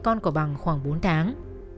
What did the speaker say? con của bằng khoảng bốn tháng